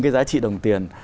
cái giá trị đồng tiền